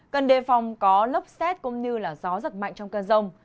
cần đề phòng có lốc xét cũng như là gió rất mạnh trong cơn rông